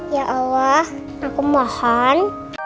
ya allah aku mohon